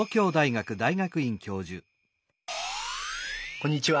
こんにちは。